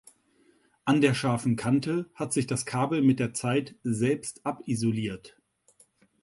An der scharfen Kante hat sich das Kabel mit der Zeit selbst abisoliert.